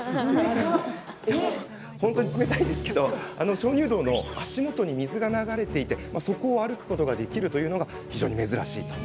鍾乳洞の足元に水が流れていてそこを歩くことができるというのが非常に珍しい。